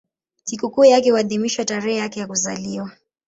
Sikukuu yake huadhimishwa tarehe yake ya kuzaliwa.